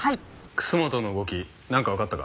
楠本の動きなんかわかったか？